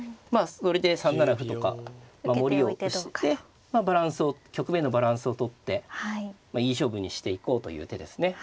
それで３七歩とか守りを局面のバランスをとっていい勝負にしていこうという手ですね。